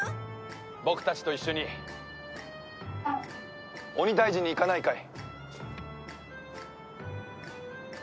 僕たちと一緒に鬼退治に行かないかい？